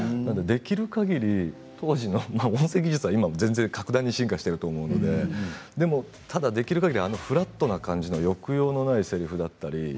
できるかぎり当時の、音声技術は今は格段に進化していると思うのでただできるかぎりあのフラットな感じの抑揚のないせりふだったり